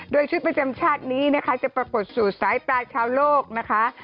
โดยชุดประจำชาตินี้นะคะจะปรากฏสู่สายตาชาวโลกนะคะ